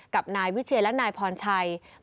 กับนายวิเชียนและนายพรชัย